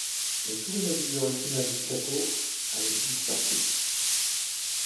Mais tout le mobilier original du château a déjà été dispersé.